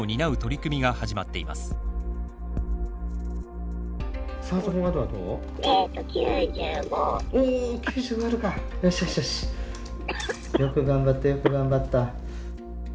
よく頑張ったよく頑張った。